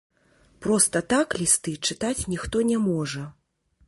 Проста так лісты чытаць ніхто не можа.